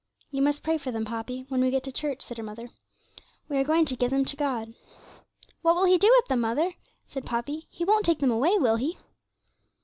'You must pray for them, Poppy, when we get to church,' said her mother. 'We are going to give them to God.' 'What will He do with them, mother?' said Poppy. 'He won't take them away, will He?'